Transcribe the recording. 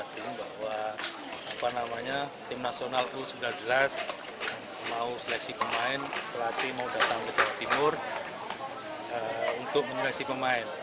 tim bahwa timnas u sembilan belas mau seleksi pemain pelatih mau datang ke jawa timur untuk mengeleksi pemain